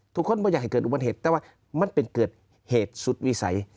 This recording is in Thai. ทุกคนไม่อยากให้เกิดอุบัติเหตุแต่ว่ามันเป็นเกิดเหตุสุดวิสัย